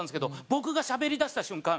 僕がしゃべりだした瞬間